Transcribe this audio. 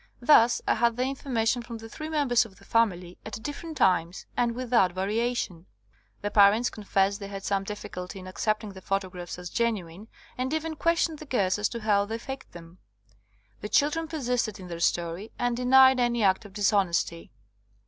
Thus I had the information from the three members of the family at different times, and without varia tion. The parents confessed they had some difficulty in accepting the photographs as genuine and even questioned the girls as to how they faked them. The children per sisted in their story, and denied any act of dishonesty.